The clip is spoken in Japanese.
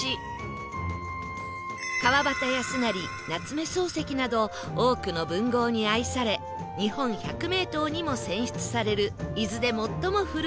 川端康成夏目漱石など多くの文豪に愛され日本百名湯にも選出される伊豆で最も古い温泉です